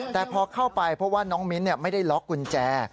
แต่พอเข้าไปเพราะว่าน้องมิ้นไม่ได้ล็อกกุญแจ